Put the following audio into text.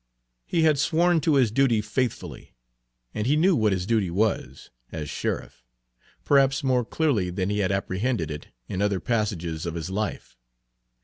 He had sworn to do his duty faithfully, and he knew what his duty was, as Page 73 sheriff, perhaps more clearly than he had apprehended it in other passages of his life.